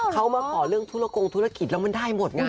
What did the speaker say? เขามาขอเรื่องธุรกงธุรกิจแล้วมันได้หมดไง